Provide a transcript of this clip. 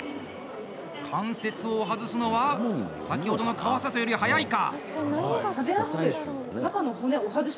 関節を外すのは先ほどの川里より、はやいか。